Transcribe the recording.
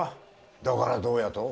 だからどうやと？